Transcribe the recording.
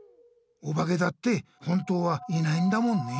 おばけだって本当はいないんだもんね。